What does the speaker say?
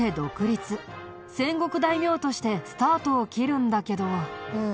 戦国大名としてスタートを切るんだけど。